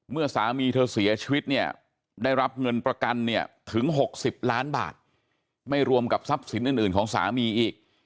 เมื่อสามีเธอเสียชีวิตเนี่ยได้รับเงินประกันเนี่ยถึง๖๐ล้านบาทไม่รวมกับทรัพย์สินอื่นของสามีอีก